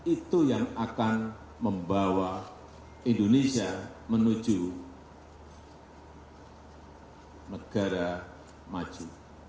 itu yang akan membawa indonesia menuju negara maju